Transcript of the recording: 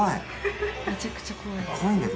めちゃくちゃ怖いです。